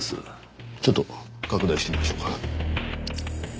ちょっと拡大してみましょうか。